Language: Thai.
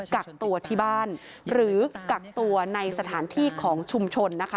กักตัวที่บ้านหรือกักตัวในสถานที่ของชุมชนนะคะ